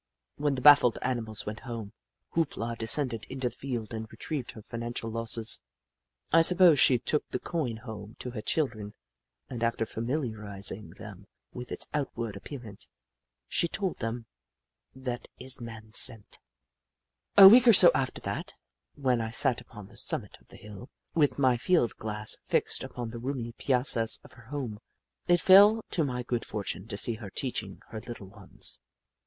When the bafifled animals went home, Hoop La descended into the field and retrieved her financial losses. I suppose she took the coin home to her children, and after familiarising tliem with its outward appearance, she told them :*' That is man scent T A week or so after that, when I sat upon the summit of the hill, with my field glass fixed upon the roomy piazzas of her home, it fell to my good fortune to see her teaching her little ones.